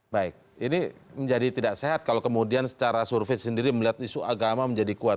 baik ini menjadi tidak sehat kalau kemudian secara survei sendiri melihat isu agama menjadi kuat